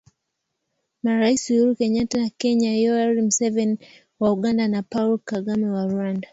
Maraisi Uhuru Kenyata wa Kenya Yoweri Museveni wa Uganda na Paul Kagame wa Rwanda